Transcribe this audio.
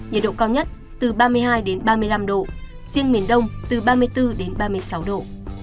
nhiệt độ cao nhất phía bắc từ ba mươi hai ba mươi năm độ riêng miền đông từ ba mươi bốn ba mươi sáu độ